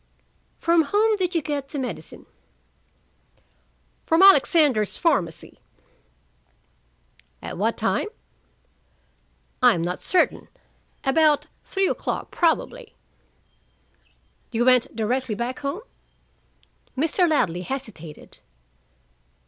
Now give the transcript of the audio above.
"From whom did you get the medicine?" "From Alexander's Pharmacy." "At what time?" "I am not certain. About three o'clock, probably." "You went directly back home?" Mr. Ladley hesitated.